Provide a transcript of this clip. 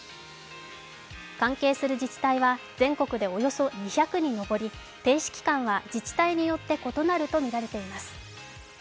関係する自治体は全国でおよそ２００に上り停止期間は自治体によって異なるとみられています。